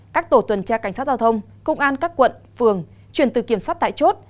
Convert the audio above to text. các tổ tuần tra cảnh sát giao thông công an các quận phường chuyển từ kiểm soát tại chốt